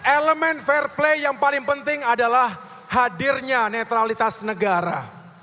elemen fair play yang paling penting adalah hadirnya netralitas negara